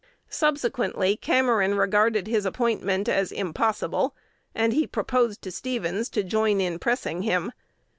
"Subsequently Cameron regarded his appointment as impossible, and he proposed to Stevens to join in pressing him.